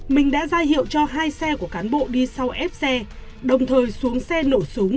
mình đã ra hiệu cho hai xe của cán bộ đi sau ép xe đồng thời xuống xe nổ súng